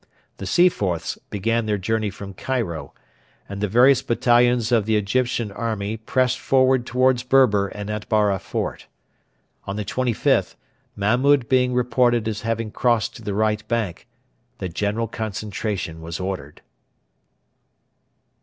The Seaforths began their journey from Cairo, and the various battalions of the Egyptian army pressed forward towards Berber and Atbara fort. On the 25th, Mahmud being reported as having crossed to the right bank, the general concentration was ordered.